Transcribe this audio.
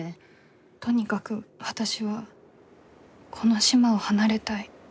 とにかく私はこの島を離れたい。